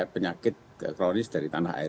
penyakit kronis dari tanah air